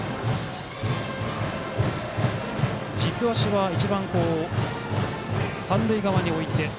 軸足は三塁側に置いて。